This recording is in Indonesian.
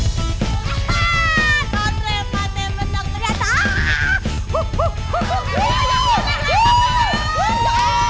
dia kalapa menang